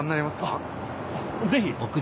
あっぜひ！